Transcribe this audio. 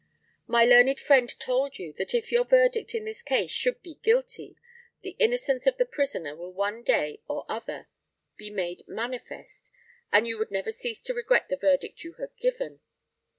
My learned friend told you that if your verdict in this case should be Guilty, the innocence of the prisoner will one day or other be made manifest, and you would never cease to regret the verdict you had given.